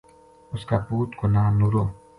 اُس کا پُوت کو ناں نورو